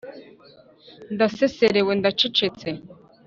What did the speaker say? Ndaseserewe ndacecetse